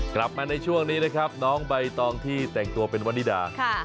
กลับมาในช่วงนี้นะครับน้องใบตองที่แต่งตัวเป็นวันนิดา